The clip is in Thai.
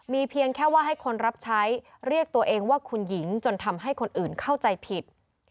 เพียงแค่ว่าให้คนรับใช้เรียกตัวเองว่าคุณหญิงจนทำให้คนอื่นเข้าใจผิด